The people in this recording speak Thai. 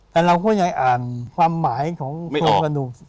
แต่เราก็ยังอ่านความหมายของโครงกระดูก